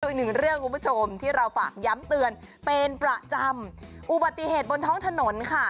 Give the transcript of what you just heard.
อีกหนึ่งเรื่องคุณผู้ชมที่เราฝากย้ำเตือนเป็นประจำอุบัติเหตุบนท้องถนนค่ะ